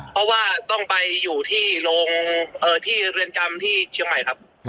เพราะว่าต้องไปอยู่ที่โรงที่เรือนจำที่เชียงใหม่ครับ